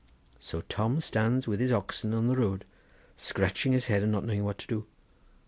So Tom stands with his oxen on the road, scratching his head and not knowing what to do.